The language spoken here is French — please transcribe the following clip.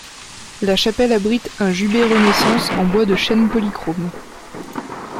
La chapelle abrite un jubé Renaissance en bois de chêne polychrome.